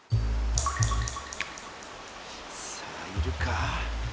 さあいるか？